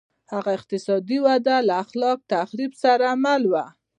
هغه اقتصادي وده له خلاق تخریب سره مله وه.